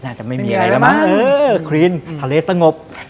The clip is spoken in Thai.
อาจจะไม่มีอะไรแล้วมั้งเออครีนทะเลสงบ